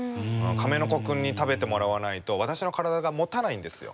カメノコ君に食べてもらわないと私の体がもたないんですよ。